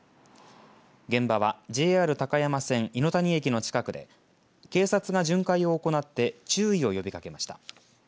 現場はＪＲ高山線猪谷駅の近くで警察が巡回を行って注意を呼びかけました。